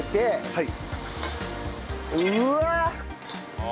はい。